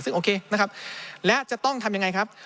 ซึ่งโอเคนะครับและจะต้องทำยังไงครับ